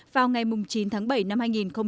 vào ngày chín tháng bảy năm hai nghìn một mươi sáu